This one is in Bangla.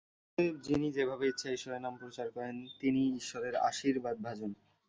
অতএব যিনি যেভাবে ইচ্ছা ঈশ্বরের নাম প্রচার করেন, তিনিই ঈশ্বরের আশীর্বাদভাজন।